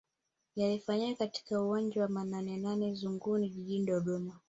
Yalifanyika katika uwanja wa Nanenane Nzuguni Jijini Dodoma